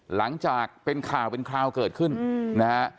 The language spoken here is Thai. หลังจากเป็นข่าวเป็นคราวเกิดขึ้นนะฮะ